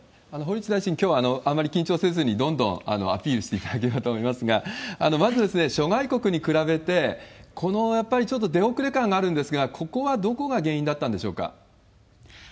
堀内大臣、きょうはあまり緊張せずに、どんどんアピールしていただければと思いますが、まず諸外国に比べて、このやっぱり出遅れ感があるんですが、ここはどこが原因だったんでしょうか？